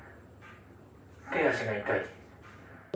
手足が痛い？